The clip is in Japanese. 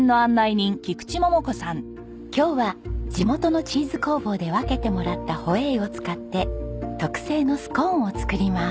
今日は地元のチーズ工房で分けてもらったホエイを使って特製のスコーンを作ります。